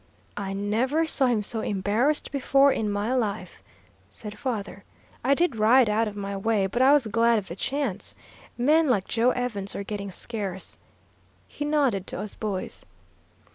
'I never saw him so embarrassed before in my life,' said father. 'I did ride out of my way, but I was glad of the chance. Men like Joe Evans are getting scarce.' He nodded to us boys.